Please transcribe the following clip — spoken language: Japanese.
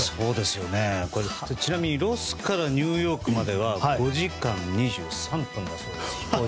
ちなみにロスからニューヨークまでは５時間２３分だそうです。